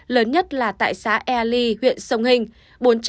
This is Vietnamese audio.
lớn nhất là tại xã ely huyện sông hình